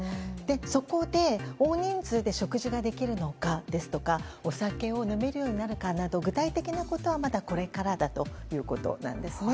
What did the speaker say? そこで、大人数で食事ができるのかですとかお酒を飲めるようになるかなど具体的なことはこれからだということなんです。